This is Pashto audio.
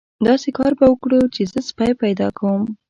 داسې کار به وکړو چې زه سپی پیدا کوم.